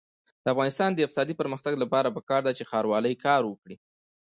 د افغانستان د اقتصادي پرمختګ لپاره پکار ده چې ښاروالي کار وکړي.